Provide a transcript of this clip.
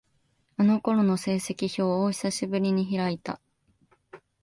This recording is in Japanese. あの頃の成績表を、久しぶりに開いた。